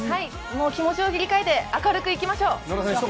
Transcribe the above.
もう気持ちを切り替えて明るくいきましょう。